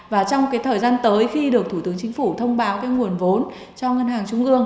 và trong cái thời gian tới khi được thủ tướng chính phủ thông báo cái nguồn vốn cho ngân hàng trung ương